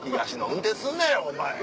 運転すんなよお前」。